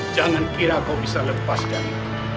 jangan kira kau bisa lepas dari